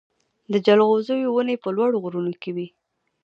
د جلغوزیو ونې په لوړو غرونو کې وي.